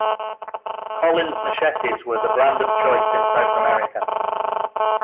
Collins machetes were the brand of choice in South America.